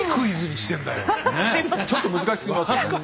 ちょっと難しすぎますよね。